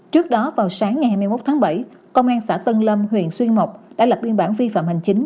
trước đó vào sáng ngày hai mươi một tháng bảy công an xã tân lâm huyện xuyên mộc đã lập biên bản vi phạm hành chính